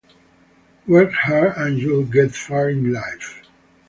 Work hard and you’ll get far in life.